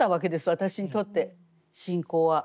私にとって信仰は。